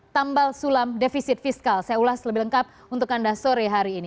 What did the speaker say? tambal sulam defisit fiskal saya ulas lebih lengkap untuk anda sore hari ini